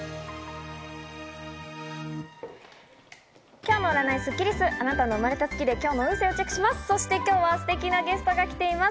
今日の占いスッキりす、あなたの生まれた月で今日の運勢をチェックします。